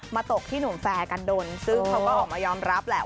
ตกที่หนุ่มแฟร์กันดนซึ่งเขาก็ออกมายอมรับแหละ